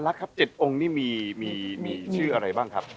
ครับ๗องค์นี่มีชื่ออะไรบ้างครับ